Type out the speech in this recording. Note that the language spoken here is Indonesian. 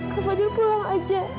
kak fadil pulang aja